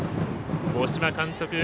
五島監督